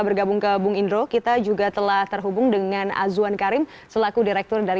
baik baik selamat siang sepak bola